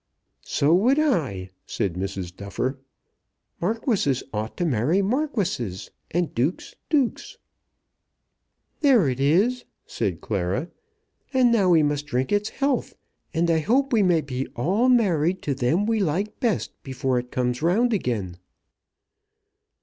"So would I," said Mrs. Duffer. "Marquises ought to marry marquises, and dukes dukes." "There it is!" said Clara, "and now we must drink its health, and I hope we may be all married to them we like best before it comes round again."